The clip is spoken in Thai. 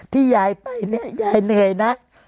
ที่ยายไปเนี่ยยายเหนื่อยนะ